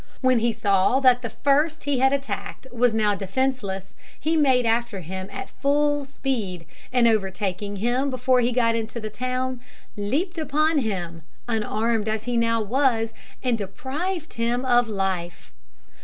When he saw that the first he had attacked was now defenceless, he made after him at full speed, and overtaking him before he got into the town, leaped upon him, unarmed as he now was, and deprived him of life.